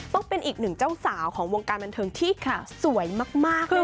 ต้องเป็นอีกหนึ่งเจ้าสาวของวงการบันเทิงที่สวยมากเลย